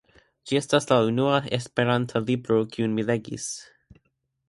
Ĝi estas la unua esperanta libro kiun mi legas.